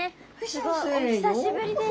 すごいお久しぶりです。